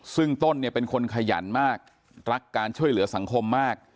ซึ่งต้นเนี่ยเป็นคนขยันมากรักการช่วยเหลือสังคมมาก